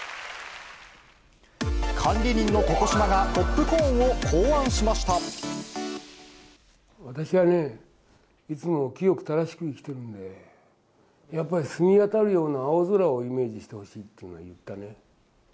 管理人の床島が、ポップコー私はね、いつも清く正しく生きてるんで、やっぱり澄み渡るような青空をイメージしてほしいっていうのは言ったね。